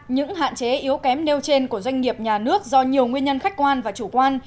những hạn chế yếu kém nêu trên của doanh nghiệp nhà nước do nhiều nguyên nhân khách quan và chủ quan